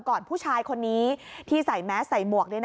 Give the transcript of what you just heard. ก่อนผู้ชายคนนี้ที่ใส่แมสใส่หมวก